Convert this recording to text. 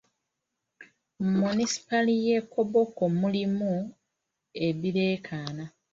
Mu munisipaali ye Koboko mulimu ebireekaana.